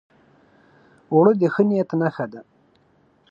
اوړه د ښه نیت نښه ده